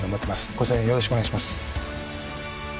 ご声援よろしくお願いします。